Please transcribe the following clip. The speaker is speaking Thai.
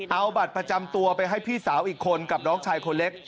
เอาบัตรประจำตัวไปให้พี่สาวอีกคนกับน้องชายคนเล็ก